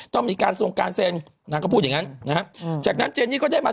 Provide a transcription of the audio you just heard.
ต้องมีการทรงการเซ็นนางก็พูดอย่างงั้นนะฮะจากนั้นเจนนี่ก็ได้มา